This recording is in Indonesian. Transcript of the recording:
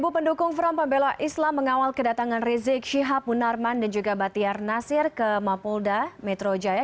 dua ribu pendukung front pembela islam mengawal kedatangan rizik shihab munarman dan juga batiar nasir ke mapulda metro jaya